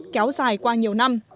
kéo dài qua nhiều năm